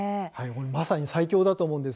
まさに最強だと思います。